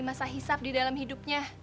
masa hisap di dalam hidupnya